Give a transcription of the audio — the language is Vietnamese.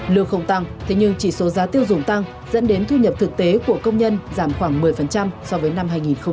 lương không tăng thế nhưng chỉ số giá tiêu dùng tăng dẫn đến thu nhập thực tế của công nhân giảm khoảng một mươi so với năm hai nghìn một mươi tám